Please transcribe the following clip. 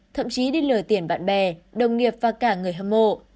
thậm chí đi lừa tiền bạn bè đồng nghiệp và cả người hâm mộ